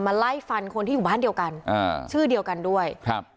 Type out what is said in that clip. ไล่ฟันคนที่อยู่บ้านเดียวกันอ่าชื่อเดียวกันด้วยครับ